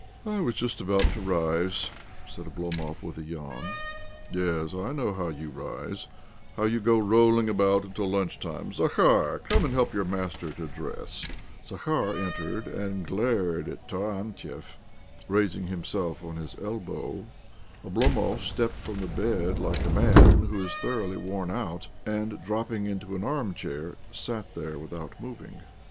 " I was just about to rise," said Oblomov with a yawn. " Yes ;/ know how you rise— how you go rolling about until lunch time I Zakhar, come and help your master to dress !" Zakhar entered and glared at Tarantiev. Raising himself on his elbow, Oblomov stepped from the bed like a man who is thoroughly worn out, and, dropping into an arm chair, sat there without moving.